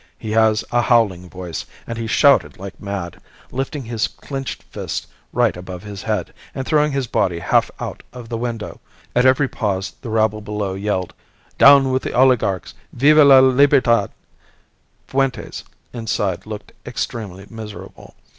He has a howling voice, and he shouted like mad, lifting his clenched fist right above his head, and throwing his body half out of the window. At every pause the rabble below yelled, 'Down with the Oligarchs! Viva la Libertad!' Fuentes inside looked extremely miserable.